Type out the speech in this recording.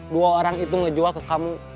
dua orang itu ngejual ke kamu